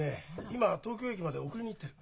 今東京駅まで送りに行ってる。